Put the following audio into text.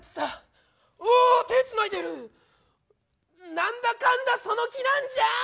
何だかんだその気なんじゃん！